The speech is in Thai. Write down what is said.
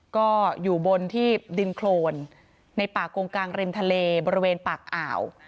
ก็อยู่บนที่ดินโครนในป่ากงกลางริมทะเลบริเวณปากอ่าว